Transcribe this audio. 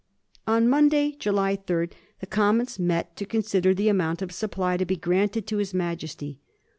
On Monday, July 3, the Commons met to consider the amount of supply to be granted to his Majesty.